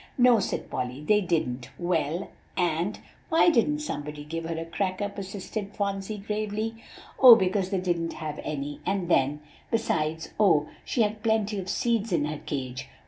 "No," said Polly, "they didn't. Well, and" "Why didn't somebody give her a cracker?" persisted Phronsie gravely. "Oh! because they didn't have any, and then besides, oh, she had plenty of seeds in her cage.